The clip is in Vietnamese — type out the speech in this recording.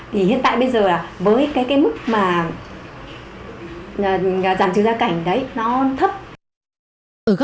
thì hiện tại bây giờ là với cái mức mà giảm trừ gia cảnh đấy nó thấp